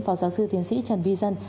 phó giáo sư tiến sĩ trần vi dân